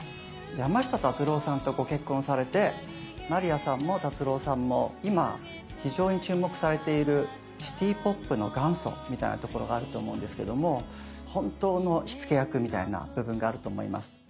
山下達郎さんとご結婚されてまりやさんも達郎さんも今非常に注目されているシティーポップの元祖みたいなところがあると思うんですけども本当の火付け役みたいな部分があると思います。